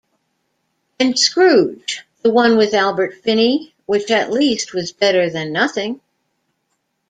And Scrooge, the one with Albert Finney, which at least was better than nothing.